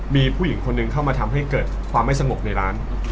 มีผู้หญิงคนหนึ่งเข้ามาทำให้เกิดความไม่สงบในร้าน